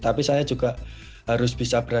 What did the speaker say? tapi saya juga harus bisa berada